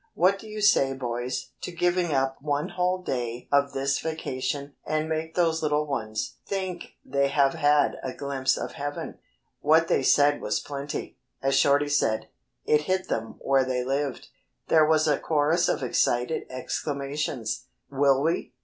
What do you say boys, to giving up one whole day of this vacation and make those little ones think they have had a glimpse of heaven?" What they said was plenty. As Shorty said, "it hit them where they lived." There was a chorus of excited exclamations, "Will we?"